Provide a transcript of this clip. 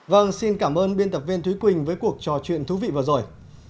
vâng xin cảm ơn biên tập viên thúy quỳnh với cuộc trò chuyện thú vị vừa rồi